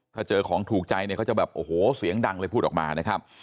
ถ้าเจอของถูกใจเนี่ยเขาจะแบบโอ้โหเสียงดังเลยพูดออกมานะครับ